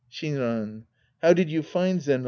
Shinran. How did you find Zenran